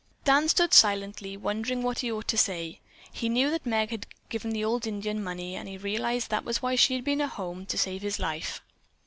Dan stood silently, wondering what he ought to say. He knew that Meg had given the old Indian money, and he realized that was why she had been at home to save his life.